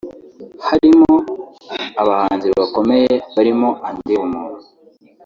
harimo; abahanzi bakomeye barimo Andy bumuntu